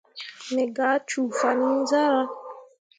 Me gah cuu fan iŋ zarah.